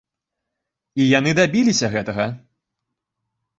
І яны дабіліся гэтага!